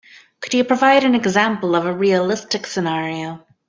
Could you provide an example of a realistic scenario?